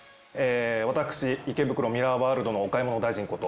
私池袋ミラーワールドのお買い物大臣こと。